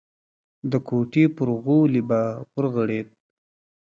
د کوټې پر غولي به ورغړېد.